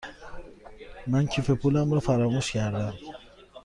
من کیف پولم را فراموش کرده ام.